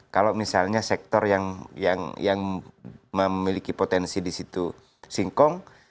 kalau misalnya sektor yang memiliki potensi di situ singkong